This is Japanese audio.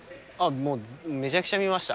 もうめちゃくちゃ見ました。